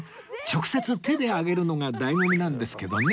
直接手であげるのが醍醐味なんですけどね